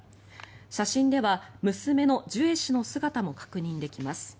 写真では娘のジュエ氏の姿も確認できます。